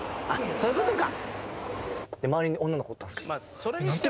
そういうことか！